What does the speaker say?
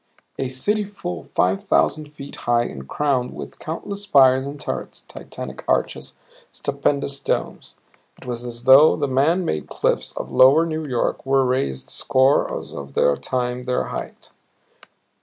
A city full five thousand feet high and crowned with countless spires and turrets, titanic arches, stupendous domes! It was as though the man made cliffs of lower New York were raised scores of times their height, stretched a score of times their length.